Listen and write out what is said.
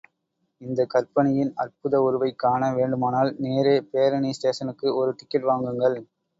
இந்தக் கற்பனையின் அற்புத உருவைக் காண வேண்டுமானால், நேரே பேரணி ஸ்டேஷனுக்கு ஒரு டிக்கட் வாங்குங்கள்.